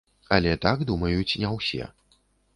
Але так думаюць не ўсе.